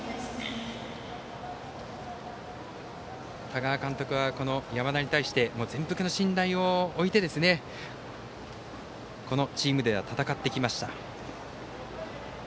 多賀監督は山田に対して全幅の信頼を置いてこのチームで戦ってきました。